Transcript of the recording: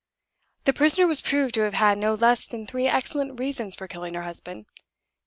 The prisoner was proved to have had no less than three excellent reasons for killing her husband.